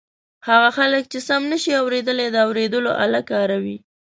هغه خلک چې سم نشي اورېدلای د اوریدلو آله کاروي.